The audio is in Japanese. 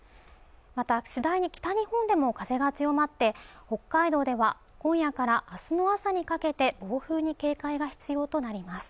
また次第に北日本でも風が強まって北海道では今夜からあすの朝にかけて暴風に警戒が必要となります